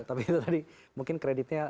tapi itu tadi mungkin kreditnya